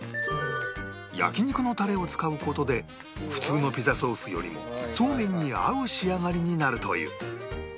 焼き肉のタレを使う事で普通のピザソースよりもそうめんに合う仕上がりになるという